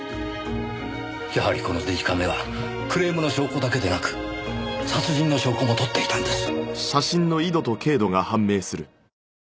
やはりこのデジカメはクレームの証拠だけでなく殺人の証拠も撮っていたんです。